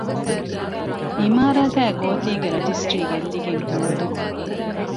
އިމާރާތާއި ގޯތީގެ ރަޖިސްޓްރީ ގެއްލިގެން ހޯދުން